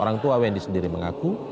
orang tua wendy sendiri mengaku